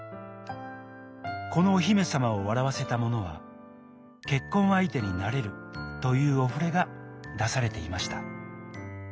このおひめさまをわらわせたものはけっこんあいてになれるというおふれがだされていました。